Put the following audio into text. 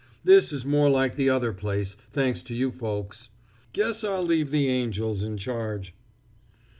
This is more like the other place, thanks to you folks. Guess I'll leave the angels in charge!"